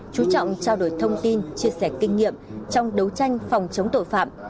chú trọng trao đổi thông tin chia sẻ kinh nghiệm trong đấu tranh phòng chống tội phạm